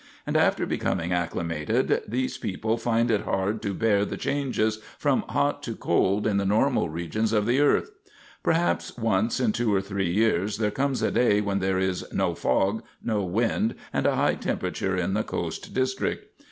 And after becoming acclimated these people find it hard to bear the changes from hot to cold in the normal regions of the earth. Perhaps once in two or three years there comes a day when there is no fog, no wind, and a high temperature in the coast district.